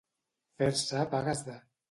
Fer-se pagues de.